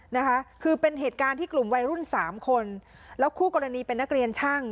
นะคะคือเป็นเหตุการณ์ที่กลุ่มวัยรุ่นสามคนแล้วคู่กรณีเป็นนักเรียนช่าง